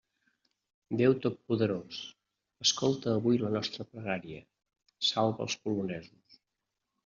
Déu totpoderós, escolta avui la nostra pregària; salva els polonesos.